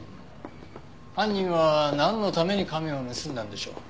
犯人はなんのために亀を盗んだんでしょう？